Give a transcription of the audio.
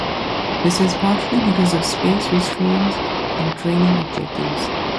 This is partially because of space restraints and training objectives.